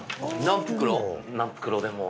何袋でも。